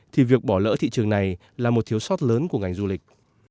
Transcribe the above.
thì việc bỏ lỡ thị trường này là một thiếu sót lớn của ngành du lịch